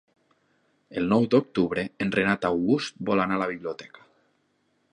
El nou d'octubre en Renat August vol anar a la biblioteca.